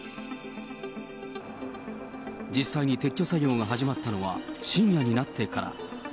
実際に撤去作業が始まったのは深夜になってから。